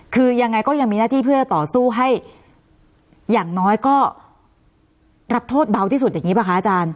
คือยังไงก็ยังมีหน้าที่เพื่อต่อสู้ให้อย่างน้อยก็รับโทษเบาที่สุดอย่างนี้ป่ะคะอาจารย์